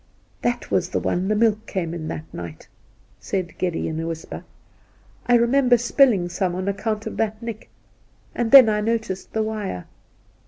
' That was the one the milk came in that night,' said Geddy, in a whisper. ' I remember spilling some on account of thaib nick, and then I noticed the wire.'